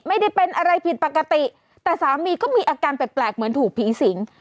ไม่ได้เป็นอะไรผิดปกติแต่สามีก็มีอาการแปลกเหมือนถูกผีสิง